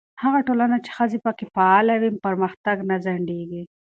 هغه ټولنه چې ښځې پکې فعاله وي، پرمختګ نه ځنډېږي.